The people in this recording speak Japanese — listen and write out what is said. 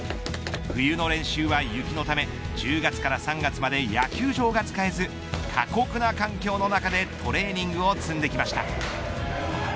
冬の練習は雪のため１０月から３月まで野球場が使えず過酷な環境の中でトレーニングを積んできました。